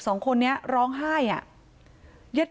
สองคนนี้ร้องไห้อ่ะ